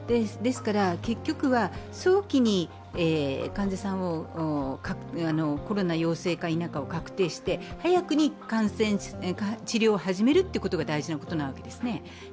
結局は早期に患者さんをコロナ陽性か否かを確定して早くに治療を始めることが大事なわけですね。